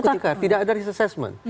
tidak ketakar tidak ada risk assessment